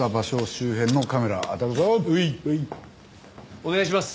お願いします。